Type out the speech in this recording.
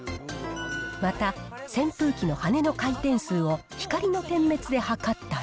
また、扇風機の羽根の回転数を光の点滅で測ったり、